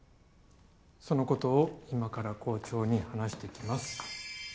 そのことを今から校長に話してきます。